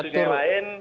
contoh kasus yang lain